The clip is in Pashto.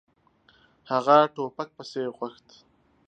هغه ټوپک پسې غوښت.